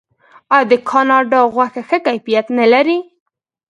آیا د کاناډا غوښه ښه کیفیت نلري؟